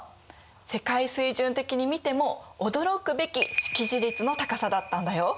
世界水準的に見ても驚くべき識字率の高さだったんだよ。